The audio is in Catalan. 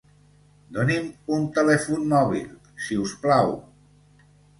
Doni'm un telèfon mòbil, si us plau.